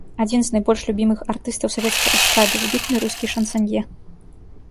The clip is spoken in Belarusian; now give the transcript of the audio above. Адзін з найбольш любімых артыстаў савецкай эстрады, выбітны рускі шансанье.